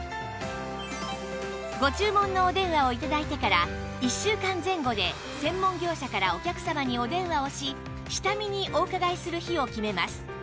ご注文のお電話を頂いてから１週間前後で専門業者からお客様にお電話をし下見にお伺いする日を決めます